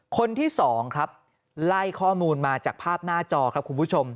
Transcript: คนที่สองครับไล่ข้อมูลมาจากภาพหน้าจอครับคุณผู้ชม